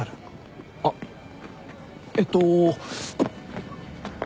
あっえっと。